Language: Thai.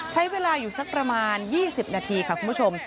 ใช้เวลาอยู่สักประมาณ๒๐นาทีค่ะคุณผู้ชม